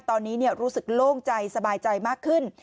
ตอนนี้รู้สึกโล่งใจสบายใจมากขึ้น